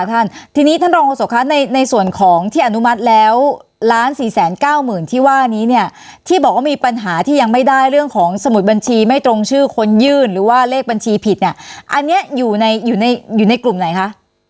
ท่านทีนี้ท่านรองโฆษกคะในส่วนของที่อนุมัติแล้ว๑๔๙๐๐๐ที่ว่านี้เนี่ยที่บอกว่ามีปัญหาที่ยังไม่ได้เรื่องของสมุดบัญชีไม่ตรงชื่อคนยื่นหรือว่าเลขบัญชีผิดเนี่ยอันนี้อยู่ในอยู่ในกลุ่มไหนคะ